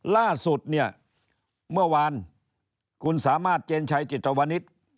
ล่าสุดเนี่ยเมื่อวานคุณสามารถเจนชัยจิตวนิษฐ์